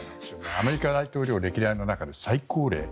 アメリカ大統領歴代の中で最高齢。